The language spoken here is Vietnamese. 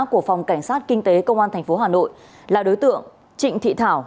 của phòng cảnh sát kinh tế công an tp hà nội là đối tượng trịnh thị thảo